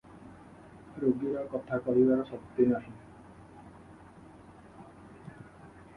ରୋଗୀର କଥା କହିବାର ଶକ୍ତି ନାହିଁ ।